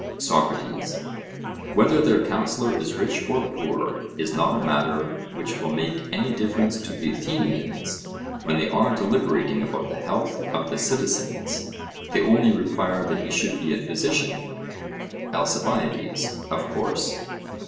SOCRATES: Whether their counsellor is rich or poor, is not a matter which will make any difference to the Athenians when they are deliberating about the health of the citizens; they only require that he should be a physician. ALCIBIADES: Of course.